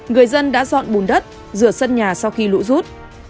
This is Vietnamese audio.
người dân đã dọn bùn đất rửa sân nhà sau khi lũ rút